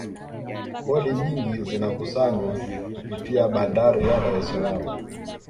kodi nyingi zinakusanywa kupitia bandari ya dar es salaam